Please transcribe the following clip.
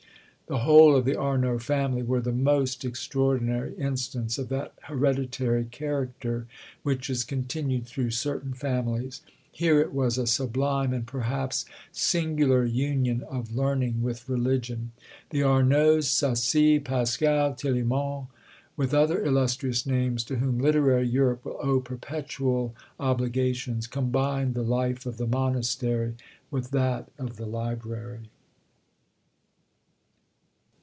The whole of the Arnauld family were the most extraordinary instance of that hereditary character, which is continued through certain families: here it was a sublime, and, perhaps, singular union of learning with religion. The Arnaulds, Sacy, Pascal, Tillemont, with other illustrious names, to whom literary Europe will owe perpetual obligations, combined the life of the monastery with that of the library.